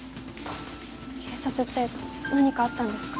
警察って何かあったんですか？